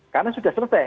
karena sudah selesai